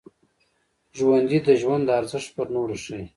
ژوندي د ژوند ارزښت پر نورو ښيي